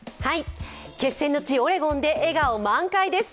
決戦の地オレゴンで笑顔満開です。